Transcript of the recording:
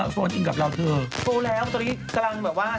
โทรแล้วตอนนี้กำลังแบบว่า